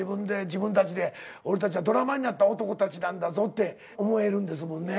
自分たちで俺たちはドラマになった男たちなんだぞって思えるんですもんね。